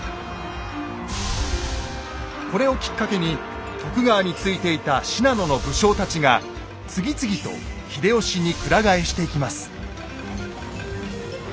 これをきっかけに徳川についていた信濃の武将たちが次々と秀吉に鞍替えしていきます。